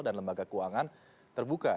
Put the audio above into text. dan lembaga keuangan terbuka